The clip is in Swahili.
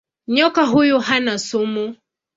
Nyoka huyu hana sumu.